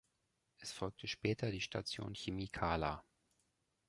Es folgte später die Station Chemie Kahla.